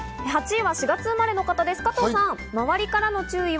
８位は４月生まれの方です、加藤さん。